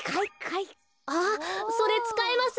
それつかえます。